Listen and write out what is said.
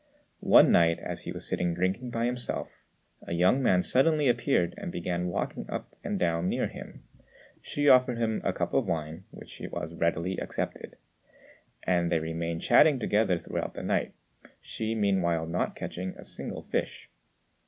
One night, as he was sitting drinking by himself, a young man suddenly appeared and began walking up and down near him. Hsü offered him a cup of wine, which was readily accepted, and they remained chatting together throughout the night, Hsü meanwhile not catching a single fish.